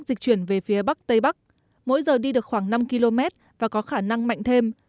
dịch chuyển về phía bắc tây bắc mỗi giờ đi được khoảng năm km và có khả năng mạnh thêm